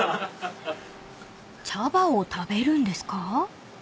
［茶葉を食べるんですか？］